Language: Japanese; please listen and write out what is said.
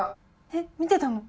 えっ見てたの？